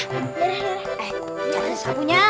eh cari sabunya